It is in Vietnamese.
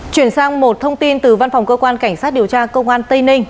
chuyển sang một thông tin từ văn phòng cơ quan cảnh sát điều tra công an tây ninh